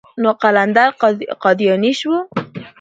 نو قلندر قادياني شو.